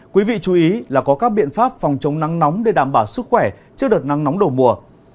quý vị chú ý là có các biện pháp phòng chống nắng nóng để đảm bảo sức khỏe trước đợt nắng nóng đầu mùa